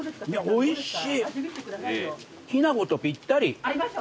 おいしい？